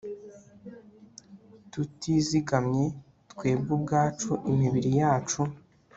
tutizigamye twebwe ubwacu imibiri yacu